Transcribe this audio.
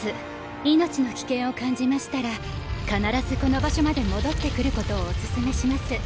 命の危険を感じましたら必ずこの場所まで戻ってくることをお勧めします。